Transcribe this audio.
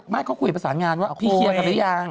ไม่เขาคุยประสานงานว่าพี่เคลียร์กันหรือยัง